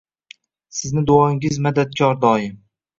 Sizni duoyingiz madadkor doim